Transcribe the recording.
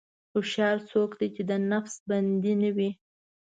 هوښیار څوک دی چې د نفس بندي نه وي.